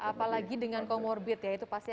apalagi dengan comorbid ya itu pasti